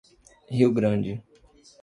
Rio Grande